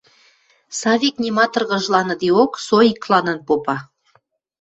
Савик, нима тыргыжланыдеок, со икладын попа.